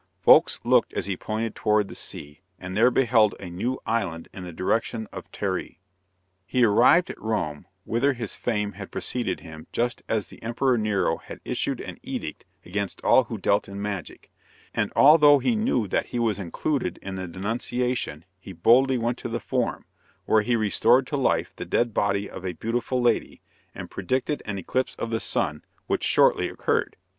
Folks looked as he pointed toward the sea, and there beheld a new island in the direction of Therae. He arrived at Rome, whither his fame had preceded him, just as the Emperor Nero had issued an edict against all who dealt in magic; and, although he knew that he was included in the denunciation, he boldly went to the forum, where he restored to life the dead body of a beautiful lady, and predicted an eclipse of the sun, which shortly occurred.